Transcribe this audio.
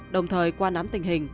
đồng thời qua nắm tình hình